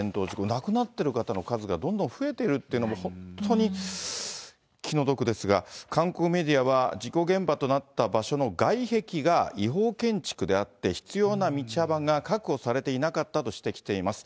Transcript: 亡くなってる方の数がどんどん増えてるっていうのも、本当に気の毒ですが、韓国メディアは、事故現場となった場所の外壁が違法建築であって、必要な道幅が確保されていなかったと指摘しています。